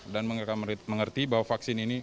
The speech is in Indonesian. dan mereka mengerti bahwa vaksin ini